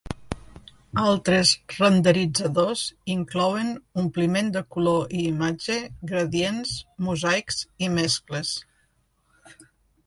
Altres renderitzadors inclouen ompliment de color i imatge, gradients, mosaics i mescles.